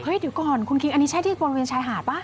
เดี๋ยวก่อนคุณคิงอันนี้ใช่ที่บริเวณชายหาดป่ะ